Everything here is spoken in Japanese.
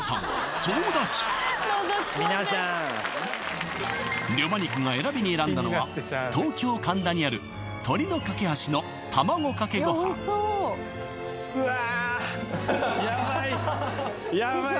皆さんりょまにくが選びに選んだのは東京神田にある鳥のかけ橋の卵かけご飯うわ